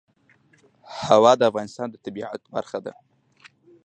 هوا د افغانستان د طبیعت برخه ده.